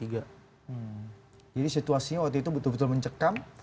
jadi situasinya waktu itu betul betul mencekam